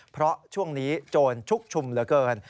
เพราะช่วงนี้โจรชุกชุมเหลือเกิน